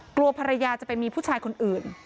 กลัวภรรยาจะไปมีผู้ชายคนอื่น